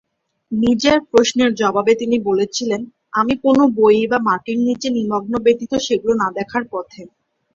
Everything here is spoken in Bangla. নিজের প্রশ্নের জবাবে তিনি বলেছিলেন, "আমি কোনও বইয়ে বা মাটির নিচে নিমগ্ন ব্যতীত সেগুলি না দেখার পথে।"